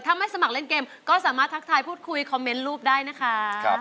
ถ้าไม่สมัครเล่นเกมก็สามารถทักทายพูดคุยคอมเมนต์รูปได้นะคะ